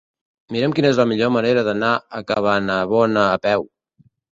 Mira'm quina és la millor manera d'anar a Cabanabona a peu.